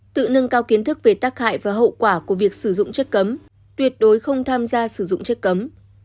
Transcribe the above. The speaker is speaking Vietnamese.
tự nâng cao kiến thức về tác hại và hậu quả của việc sử dụng chất cấm tuyệt đối không tham gia sử dụng chất cấm